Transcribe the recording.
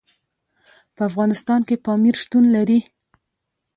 په افغانستان کې پامیر شتون لري.